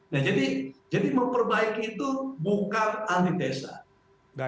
nah jadi memperbaiki itu bukan antitesa